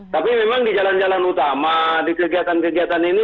tapi memang di jalan jalan utama di kegiatan kegiatan ini